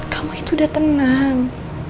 kamu itu udah tenang